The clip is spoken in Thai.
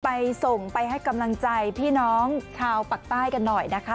ไปส่งไปให้กำลังใจพี่น้องชาวปากใต้กันหน่อยนะคะ